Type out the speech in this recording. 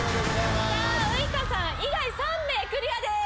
ウイカさん以外３名クリアです。